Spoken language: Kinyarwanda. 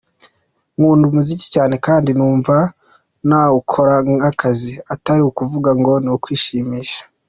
Nkunda umuziki cyane kandi numva ko nawukora nk’akazi atari ukuvuga ngo ni ukwishimisha.